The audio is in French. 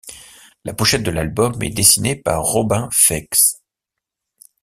La pochette de l'album est dessinée par Robin Feix.